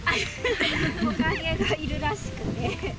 トカゲがいるらしくて。